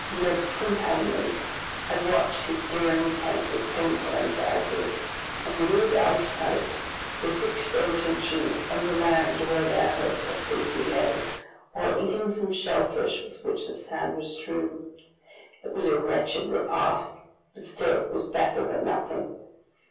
Neb's companions had watched his daring attempt with painful anxiety, and when he was out of sight, they fixed their attention on the land where their hope of safety lay, while eating some shell fish with which the sand was strewn. It was a wretched repast, but still it was better than nothing.